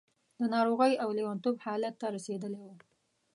د ناروغۍ او لېونتوب حالت ته رسېدلې وه.